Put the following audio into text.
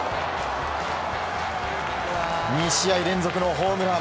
２試合連続のホームラン。